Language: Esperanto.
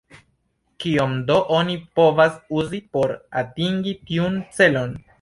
Kion do oni povas uzi por atingi tiun celon?